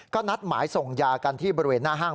ก็นัดหมายส่งยากันที่บริเวณหน้าห้าง